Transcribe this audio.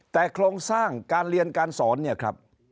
แต่โครงสร้างการเรียนการสอนเนี่ยครับ